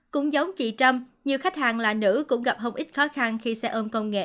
cũng giống chị trâm nhiều khách hàng là nữ cũng gặp không ít khó khăn khi xe ôm công nghệ